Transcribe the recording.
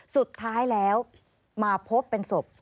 สุดท้ายแล้วมาพบเป็นศพ